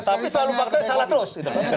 tapi salah fakta salah terus